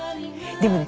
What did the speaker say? でもね